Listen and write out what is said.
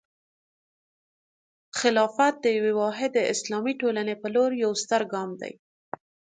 خلافت د یوې واحدې اسلامي ټولنې په لور یوه ستره ګام دی.